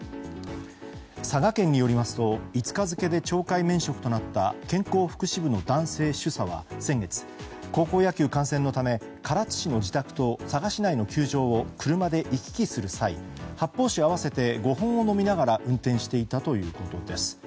佐賀県によりますと５日付で懲戒免職となった健康福祉部の男性主査は先月高校野球観戦のため唐津市の自宅と佐賀市内の球場を車で行き来する際発泡酒合わせて５本を飲みながら運転していたということです。